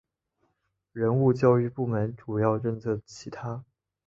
人物教育部门主要政策其他